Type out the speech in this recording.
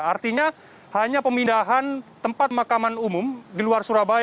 artinya hanya pemindahan tempat makaman umum di luar surabaya